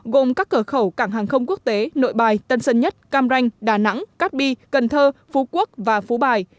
gồm các cửa khẩu cảng hàng không quốc tế nội bài tân sơn nhất cam ranh đà nẵng cát bi cần thơ phú quốc và phú bài